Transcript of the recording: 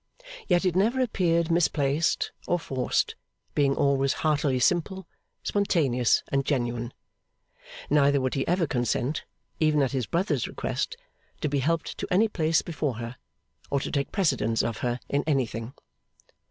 Yet it never appeared misplaced or forced, being always heartily simple, spontaneous, and genuine. Neither would he ever consent, even at his brother's request, to be helped to any place before her, or to take precedence of her in anything.